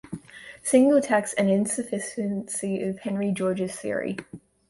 Single Tax" and "Insufficiency of Henry George's Theory.